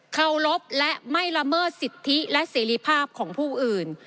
เคารพและไม่ละเมิดสิทธิและเสรีภาพของผู้อื่น